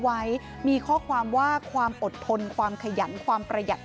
คลิปนี้ลูกสะพ้ายของคุณลุงประจิม